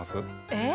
えっ⁉